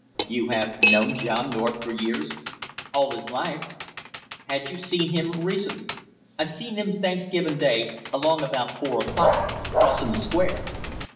"You have known John North for years?" "All his life." "Had you seen him recently?" "I seen him Thanksgiving day along about four o'clock crossing the Square."